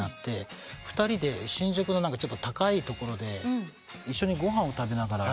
２人で新宿のちょっと高いところで一緒にご飯を食べながら。